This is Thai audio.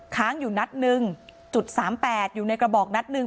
ค้างอยู่นัดหนึ่งจุดสามแปดอยู่ในกระบอกนัดหนึ่ง